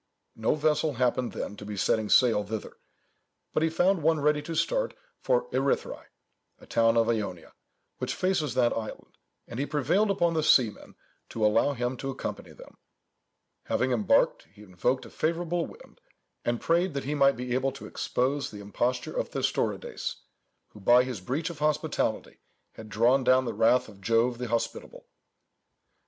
No vessel happened then to be setting sail thither, but he found one ready to start for Erythræ, a town of Ionia, which faces that island, and he prevailed upon the seamen to allow him to accompany them. Having embarked, he invoked a favourable wind, and prayed that he might be able to expose the imposture of Thestorides, who, by his breach of hospitality, had drawn down the wrath of Jove the Hospitable.